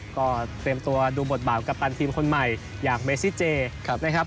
ก็เตรียมตัวดูบทบาทกัปตันทีมคนใหม่อย่างเมซิเจนะครับ